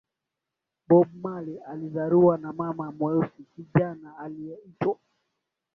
Bob Marley alizaliwa na mama mweusi kijana aliyeitwa